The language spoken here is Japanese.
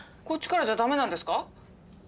こっちからじゃ駄目なんですか？